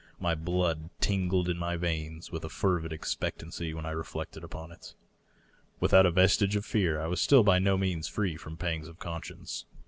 My blood tingled in my veins with a fervid expectancy when I re flected upon it. Without a vestige of fear, I was still by no means free from pangs of conscience.